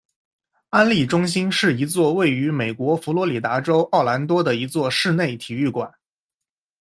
安丽中心是一座位于美国佛罗里达州奥兰多的一座室内体育馆。